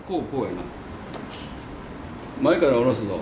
前から下ろすぞ。